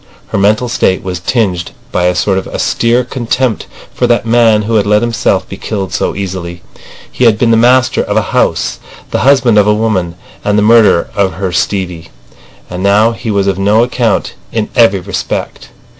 Her mental state was tinged by a sort of austere contempt for that man who had let himself be killed so easily. He had been the master of a house, the husband of a woman, and the murderer of her Stevie. And now he was of no account in every respect.